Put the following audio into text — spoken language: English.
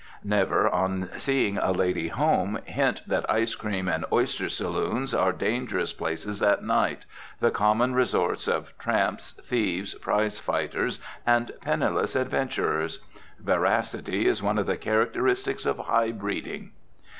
Never, on seeing a lady home, hint that ice cream and oyster saloons are dangerous places at night, the common resorts of tramps, thieves, prize fighters and penniless adventurers. Veracity is one of the characteristics of high breeding.